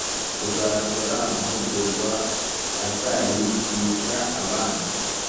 uzayakora amahugurwa aziyigisha abandi